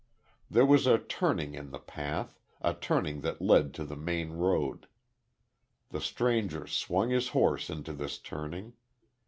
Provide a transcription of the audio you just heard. There was a turning in the path, a turning that led to the main road. The stranger swung his horse into this turning.